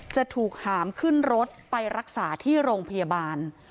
จะถูกหามขึ้นรถไปรักษาที่โรงพยาบาล